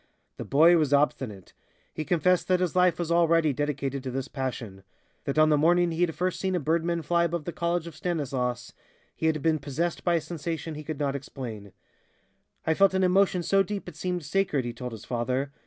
The boy was obstinate. He confessed that his life was already dedicated to this passion. That on the morning he had first seen a birdman fly above the college of Stanislas, he had been possessed by a sensation he could not explain. "I felt an emotion so deep it seemed sacred," he told his father.